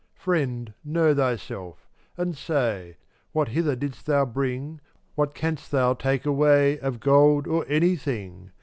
442 Friend, know thyself; and say What hither didst thou bring. What canst thou take away Of gold or anything?